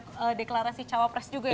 katanya ada deklarasi cawa pres juga ya